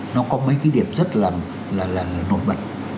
nó có mấy cái điểm rất là nổi bật